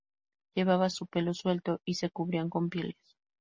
Llevaban su pelo suelto y se cubrían con pieles.